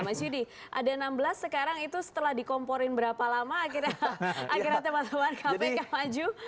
mas yudi ada enam belas sekarang itu setelah dikomporin berapa lama akhirnya teman teman kpk maju